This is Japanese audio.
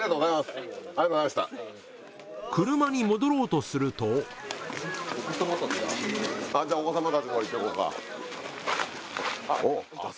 車に戻ろうとするとあんた。